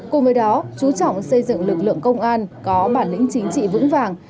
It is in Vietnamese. cùng với đó chú trọng xây dựng lực lượng công an có bản lĩnh chính trị vững vàng